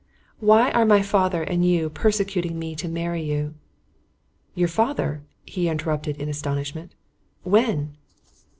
"Why are my father and you persecuting me to marry you?" "Your father?" he interrupted, in astonishment. "When?"